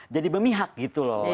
jadi bemihak gitu loh ceritanya